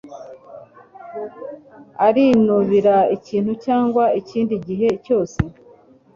Arinubira ikintu cyangwa ikindi gihe cyose. (